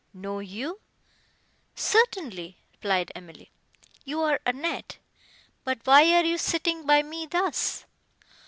"Know you! Certainly," replied Emily, "you are Annette; but why are you sitting by me thus?"